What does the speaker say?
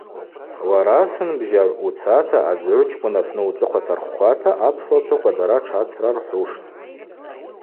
Уара, сынбжьагӏв, уцата адзыгӏвчкӏвын апны уцӏыхъва тархвхвата, апслачваква дара тшгӏацрархӏвуштӏ.